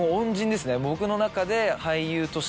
僕の中で。